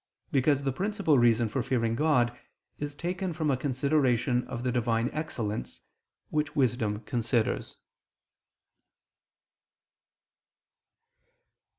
Because the principal reason for fearing God is taken from a consideration of the Divine excellence, which wisdom considers.